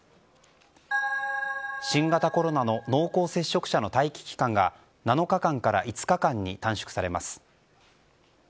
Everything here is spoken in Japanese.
新型コロナの濃厚接触者の待機期間が７日間から５日間に短縮されます。